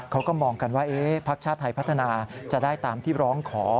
เขาก็มองกันว่าพักชาติไทยพัฒนาจะได้ตามที่ร้องขอ